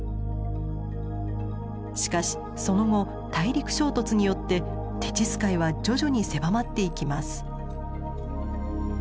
しかしその後大陸衝突によってテチス海は徐々に狭まっていきます。